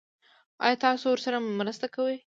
ایا تاسو ورسره مرسته کوئ؟